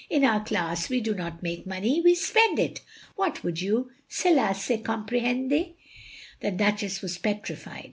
" In our class we do not make money — ^we spend it. What would you? Cela se comprend!" The Duchess was petrified.